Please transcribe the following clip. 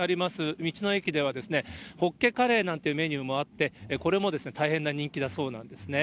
道の駅では、ホッケ、カレイなんていうメニューもあって、これも大変な人気だそうなんですね。